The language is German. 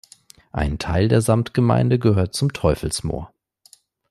Ein Teil der Samtgemeinde gehört zum Teufelsmoor.